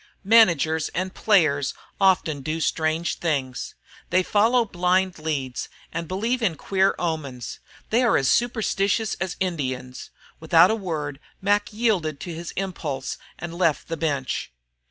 Managers and players often do strange things; they follow blind leads and believe in queer omens. They are as superstitious as Indians. Without a word Mac yielded to his impulse and left the bench.